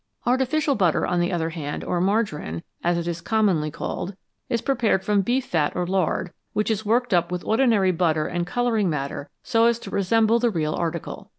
Artificial butter, on the other hand, or margarine, as it is commonly called, is prepared from beef fat or lard, which is worked up with ordinary butter and colouring matter so as to resemble the real article.